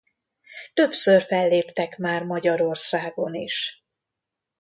Többször felléptek már Magyarországon is.